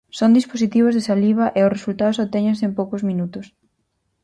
Son dispositivos de saliva e os resultados obtéñense en poucos minutos.